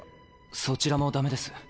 そちらもダメです。